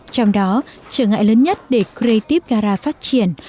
trong đó trở ngại lớn nhất để gretiv gara phát triển